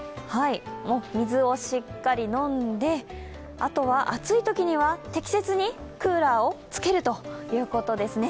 水をしっかり飲んで、あとは暑いときには適切にクーラーをつけるということですね。